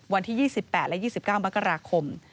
วันที่๒๘และ๒๙มกราคม